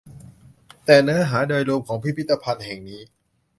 แต่เนื้อหาโดยรวมของพิพิธภัณฑ์แห่งนี้